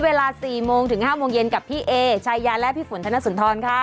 เวลา๔โมงถึง๕โมงเย็นกับพี่เอชายาและพี่ฝนธนสุนทรค่ะ